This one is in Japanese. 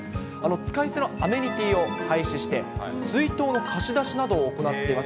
使い捨てのアメニティーを廃止して、水筒の貸し出しなどを行っています。